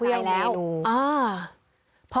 พอขวางเมนูปุ๊บมือมาเลยฮะ